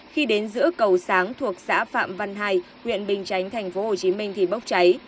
khi đến giữa cầu sáng thuộc xã phạm văn hai huyện bình chánh tp hcm thì bốc cháy